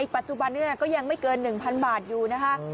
ปัจจุบันนี้ก็ยังไม่เกิน๑๐๐๐บาทอยู่นะคะ